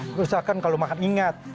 misalkan kalau makan ingat